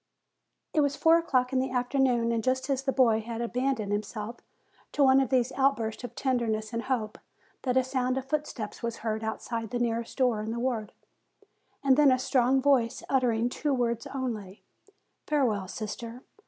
It was four o'clock in the afternoon, and just as the boy had abandoned himself to one of these out bursts of tenderness and hope, that a sound of foot steps was heard outside the nearest door in the ward, and then a strong voice uttering two words only, "Farewell, sister!"